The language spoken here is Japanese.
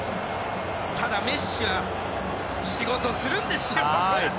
ただ、メッシは仕事するんですよ。